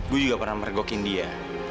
gue juga pernah meregokin dia